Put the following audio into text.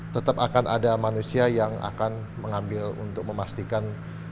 tetap akan ada manusia yang akan mengambil untuk memastikan